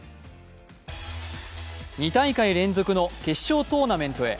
２大会連続の決勝トーナメントへ。